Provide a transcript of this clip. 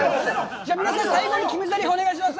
じゃあ皆さん、最後に決めぜりふお願いします。